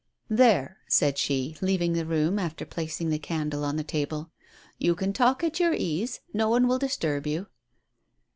" There," said she, on leaving the room, after placing the candle on the table, "you can talk at your ease; no one will disturb you."